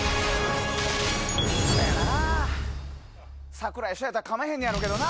櫻井翔やったらかまへんのやろけどな。